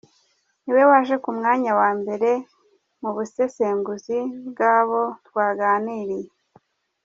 Niwe waje ku mwanya wa mbere mu busesenguzi bwabo twaganiriye.